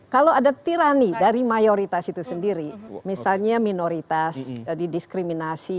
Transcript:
kalau ada tirani dari mayoritas itu sendiri misalnya minoritas didiskriminasi